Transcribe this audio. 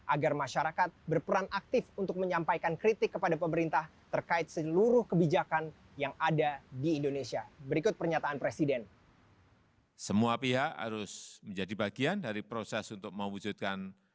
agar masyarakat berperan aktif untuk menyampaikan kritik kepada pemerintah terkait seluruh kebijakan yang ada di indonesia